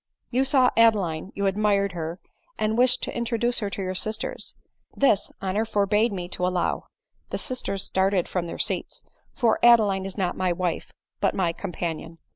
" You saw Adeline ; you admired her ; and wished to introduce her to your sisters — this, honor forbade me to allow" — (the sisters started from their seats) "for Adeline is not my wife, but my companion."